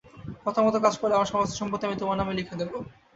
কথামতো কাজ করলে আমার সমস্ত সম্পত্তি আমি তোমার নামে লিখে দেবো।